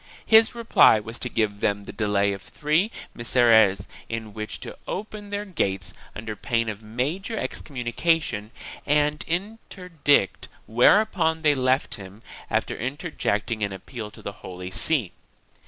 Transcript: His reply was to give them the delay of three Misereres in which to open their gates under pain of major excom munication and interdict, whereupon they left him, after inter jecting an appeal to the Holy See.